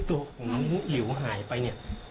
ตัวของน้องหิวหายไปเนี่ย